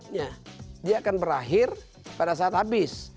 nah dia akan berakhir pada saat habis